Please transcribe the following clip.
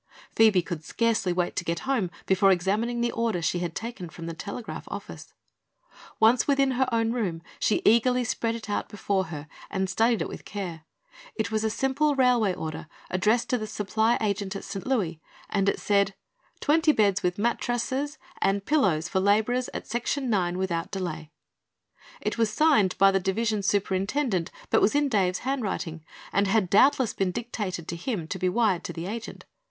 Phoebe could scarcely wait to get home before examining the order she had taken from the telegraph office. Once within her own room she eagerly spread it out before her and studied it with care. It was a simple railway order addressed to the supply agent at St. Louis, and said: "Twenty beds with mattrasses and pillows for laborers at Section 9 without delay." It was signed by the Division Superintendent but was in Dave's handwriting and had doubtless been dictated to him to be wired to the agent.